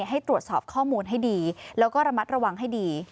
ให้ตรวจสอบข้อมูลให้ดีแล้วก็ระมัดระวังให้ดี